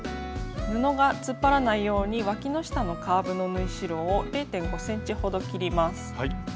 布が突っ張らないようにわきの下のカーブの縫い代を０．５ｃｍほど切ります。